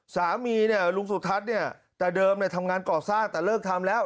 สามีเนี่ยลุงสุทัศน์เนี่ยแต่เดิมทำงานก่อสร้างแต่เลิกทำแล้ว